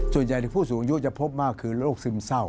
ส่วนใหญ่ผู้สูงอายุจะพบมากคือโรคซึมเศร้า